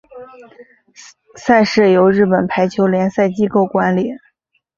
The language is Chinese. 赛事由日本排球联赛机构管理。